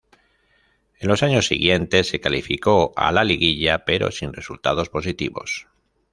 En los años siguientes se calificó a la liguilla pero sin resultados positivos.